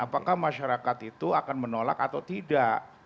apakah masyarakat itu akan menolak atau tidak